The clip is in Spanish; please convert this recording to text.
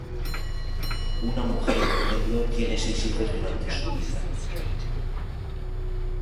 Una mujer en promedio tiene seis hijos durante su vida.